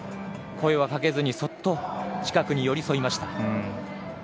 声はかけずにそっと近くに寄り添いました。